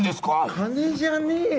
金じゃねえよ